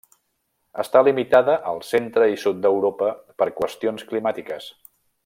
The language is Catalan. Està limitada al centre i sud d'Europa per qüestions climàtiques.